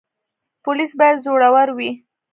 پولیس باید زړور وي